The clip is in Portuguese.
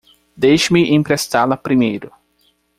Deixe-me emprestá-la primeiro.